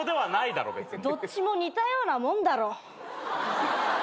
どっちも似たようなもんだろ。